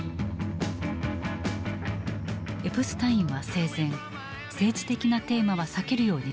エプスタインは生前政治的なテーマは避けるように伝えていた。